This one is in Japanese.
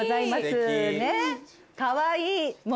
かわいい。